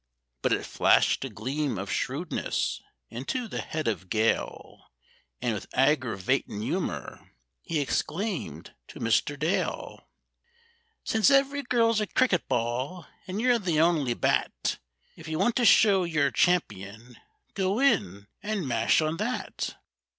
But it flashed a gleam of shrewdness into the head of Gale, And with aggravatin' humour he exclaimed to Mr. Dale, "Since every girl's a cricket ball and you're the only bat, If you want to show you're champion, go in and mash on that.